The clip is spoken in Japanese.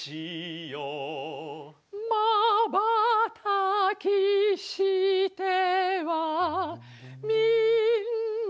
「まばたきしてはみんなをみてる」